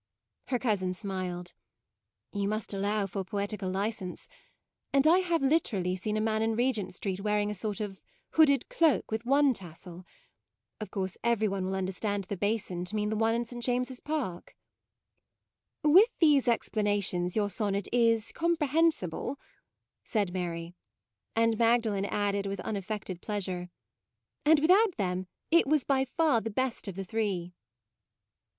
MAUDE 31 Her cousin smiled: " You must allow for poetical licence ; and I have literally seen a man in Regent Street wearing a sort of hooded cloak with one tassel. Of course every one will understand the basin to mean the one in St. James's Park. " "With these explanations your, sonnet is comprehensible," said Mary: and Magdalen added with unaffected pleasure: " And without them it was by far the best of the three."